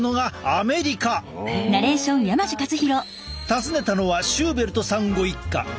訪ねたのはシューベルトさんご一家。